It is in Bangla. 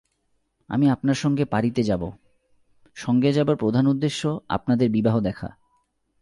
আমি আপনার সঙ্গে পারি-তে যাব, সঙ্গে যাবার প্রধান উদ্দেশ্য আপনাদের বিবাহ দেখা।